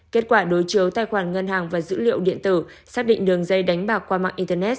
kết quả đối chiếu tài khoản ngân hàng và dữ liệu điện tử xác định đường dây đánh bạc qua mạng internet